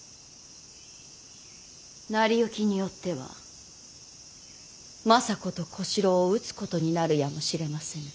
成り行きによっては政子と小四郎を討つことになるやもしれませぬ。